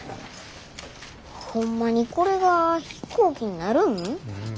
ホンマにこれが飛行機になるん？